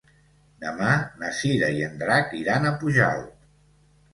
Demà na Cira i en Drac iran a Pujalt.